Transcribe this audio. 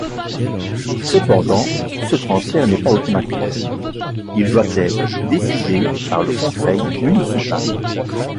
Cependant ce transfert n'est pas automatique, il doit être décidé par le conseil municipal.